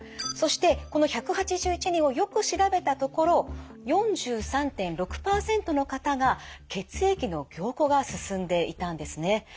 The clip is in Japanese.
そしてこの１８１人をよく調べたところ４３．６％の方が血液の凝固が進んでいたんですね。